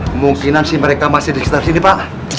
kemungkinan sih mereka masih disini pak